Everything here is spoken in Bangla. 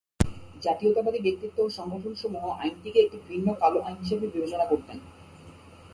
জাতীয়তাবাদী ব্যক্তিত্ব ও সংগঠনসমূহ আইনটিকে একটি ঘৃণ্য কালো আইন হিসেবে বিবেচনা করতেন।